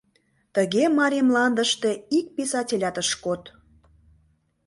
Тыге марий мландыште ик писателят ыш код.